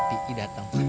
bentar lagi p i datang pak